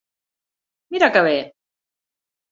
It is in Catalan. Mira que bé!